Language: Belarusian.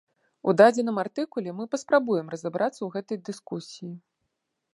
У дадзеным артыкуле мы паспрабуем разабрацца ў гэтай дыскусіі.